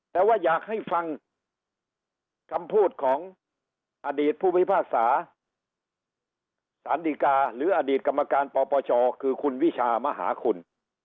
แต่ว่าอยากให้ฟังคำพูดของอดีตผู้พิพากษาสารดีกาหรืออดีตกรรมการปปชคือคุณวิชามหาคุณ